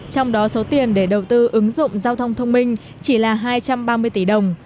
trong đó số tiền để đầu tư ứng dụng giao thông thông minh chỉ là hai trăm ba mươi tỷ đồng